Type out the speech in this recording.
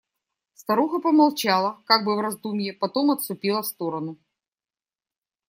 Старуха помолчала, как бы в раздумье, потом отступила в сторону.